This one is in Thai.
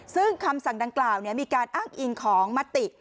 ซึ่งคำสั่งดังกล่าวมีการอ้างอิงของมติ